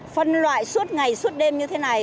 phân loại suốt ngày suốt đêm như thế này